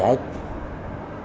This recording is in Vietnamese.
chú không có ngại gì